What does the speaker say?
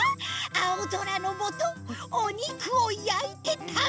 あおぞらのもとおにくをやいてたべる！